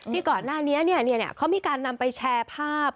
ก่อนหน้านี้เขามีการนำไปแชร์ภาพ